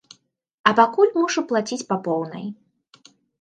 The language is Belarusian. А пакуль мушу плаціць па поўнай.